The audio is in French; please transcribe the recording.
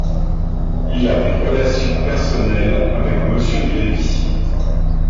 Il a des relations personnelles avec Monsieur Grévy.